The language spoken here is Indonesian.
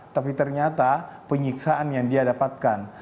tapi ternyata penyiksaan yang dia dapatkan